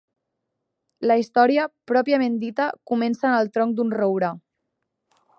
La història pròpiament dita comença en el tronc d'un roure.